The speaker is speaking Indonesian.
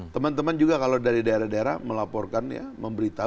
teman teman juga kalau dari daerah daerah melaporkan ya memberitahu